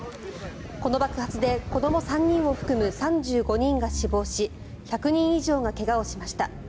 この爆発で子ども３人を含む３５人が死亡し１００人以上が怪我をしました。